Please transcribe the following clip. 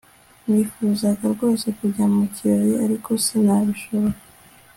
nifuzaga rwose kujya mu kirori, ariko sinabishobora